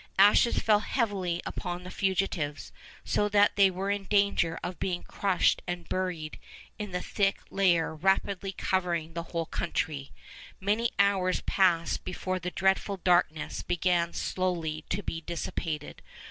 Ashes fell heavily upon the fugitives, so that they were in danger of being crushed and buried in the thick layer rapidly covering the whole country. Many hours passed before the dreadful darkness began slowly to be dissipated.